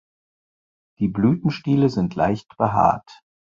Die Blütenstiele sind leicht behaart.